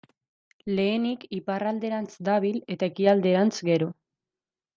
Lehenik iparralderantz dabil eta ekialderantz gero.